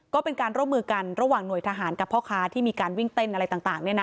ก็เป็นการร่วมมือกันระหว่างหน่วยทหารกับพ่อค้าที่มีการวิ่งเต้นอะไรต่าง